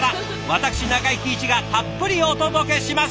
私中井貴一がたっぷりお届けします！